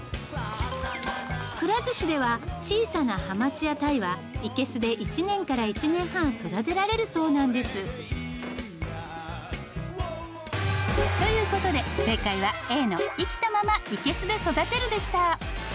くら寿司では小さなはまちや鯛は生簀で１年から１年半育てられるそうなんです。という事で正解はＡの「生きたまま生簀で育てる」でした。